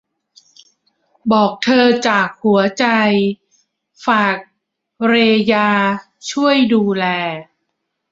บอกเธอจากหัวใจ ฝากเรยาช่วยดูแล